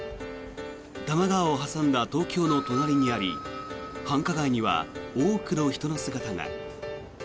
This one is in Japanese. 多摩川を挟んだ東京の隣にあり繁華街には多くの人の姿が。